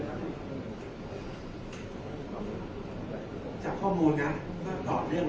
แต่ว่าไม่มีปรากฏว่าถ้าเกิดคนให้ยาที่๓๑